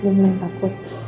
dia memang takut